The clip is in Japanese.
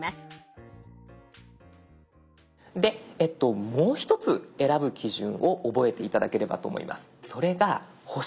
でもう一つ選ぶ基準を覚えて頂ければと思います。